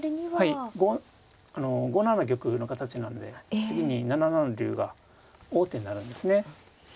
はいあの５七玉の形なんで次に７七竜が王手になるんですね。